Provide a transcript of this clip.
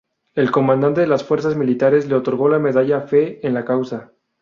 El Comandante de las Fuerzas Militares le otorgó la Medalla Fe en la Causa.